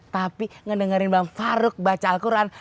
tapi ngedengerin bang farouk baca al quran